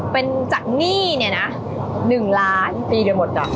เป็นจากหนี้นี่นะ๑ล้านปีเดียวหมด